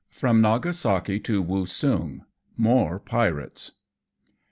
FROM NAGASAKI TO WOOSUNG MORE PIUATES.